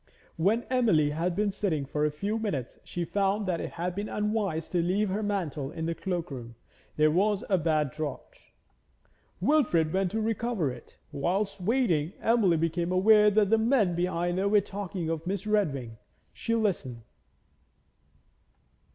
When Emily had been sitting for a few minutes, she found that it had been unwise to leave her mantle in the cloak room; there was a bad draught. Wilfrid went to recover it. Whilst waiting, Emily became aware that the men behind her were talking of Miss Redwing; she listened.